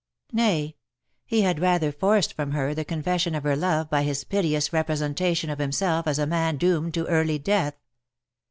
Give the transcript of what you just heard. Nay, he had rather forced from her the confession of her love by his piteous representation of himself as a man doomed to early death.